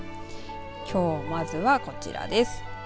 きょう、まずはこちらです。